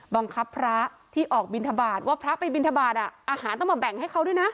บังคับพระที่ออกบินทบาทว่าพระไปบินทบาทอาหารต้องมาแบ่งให้เขาด้วยนะ